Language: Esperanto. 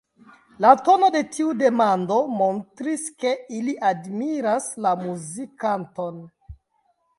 La tono de tiu demando montris, ke ili admiras la muzikanton.